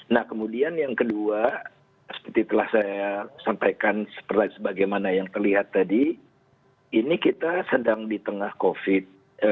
nah kemudian yang kedua seperti telah saya sampaikan sebagaimana yang terlihat tadi ini kita sedang di tengah covid